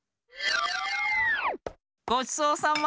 ごちそうさま。